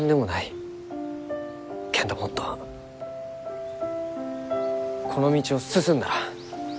けんどもっとこの道を進んだら。